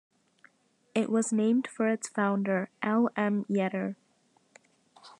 It was named for its founder, L. M. Yetter.